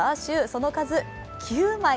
その数９枚。